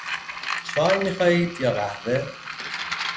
چای میخواهید یا قهوه؟